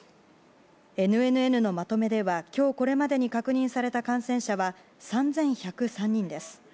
ＮＮＮのまとめでは今日、これまでに確認された感染者は３１０３人です。